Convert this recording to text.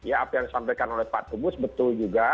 apa yang disampaikan oleh pak kubus betul juga